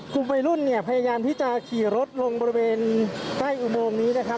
กลุ่มวัยรุ่นเนี่ยพยายามที่จะขี่รถลงบริเวณใต้อุโมงนี้นะครับ